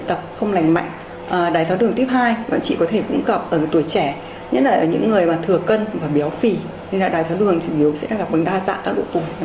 nên là đài tháo đường chỉ hiểu sẽ gặp đa dạng ở độ tuổi